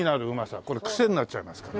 これクセになっちゃいますから。